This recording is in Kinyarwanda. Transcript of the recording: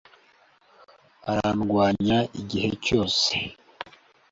Arandwanya igihe cyose